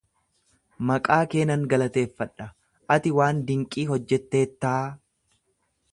Maqaa kee nan galateeffadha, ati waan dinqii hojjetteettaa.